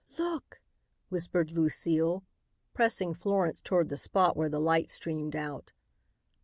"Look!" whispered Lucile, pressing Florence toward the spot where the light streamed out.